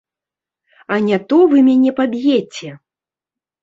А не то вы мяне паб'еце!